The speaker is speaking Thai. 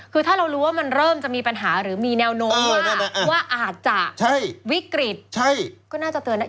คือถ้าเรารู้ว่ามันเริ่มจะมีปัญหาหรือมีแนวโน้มว่าอาจจะวิกฤตก็น่าจะเตือนได้